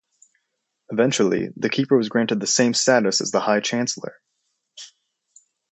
Eventually, the keeper was granted the same status as the high chancellor.